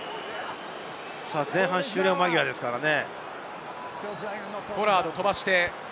前半終了間際ですからね。